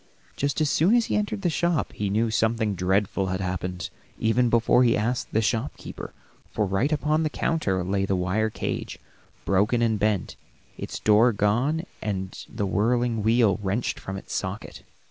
Just as soon as he entered the shop he knew something dreadful had happened, even before he asked the shopkeeper, for right upon the counter lay the wire cage, broken and bent, its door gone, and the whirling wheel wrenched from its socket.